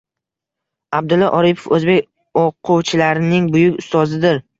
Abdulla Oripov o‘zbek o‘quvchilarining buyuk ustozidir